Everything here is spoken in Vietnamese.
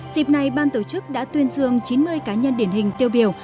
dịp này ban tổ chức đã tuyên dương chín mươi cá nhân điển hình tiêu biểu